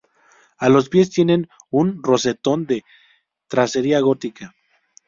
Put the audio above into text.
A los pies tiene un rosetón de tracería gótica.